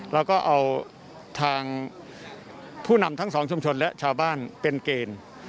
แล้วก็เอาทางผู้นำทั้งสองชุมชนและชาวบ้านเป็นเกณฑ์